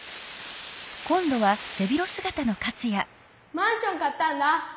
マンション買ったんだ。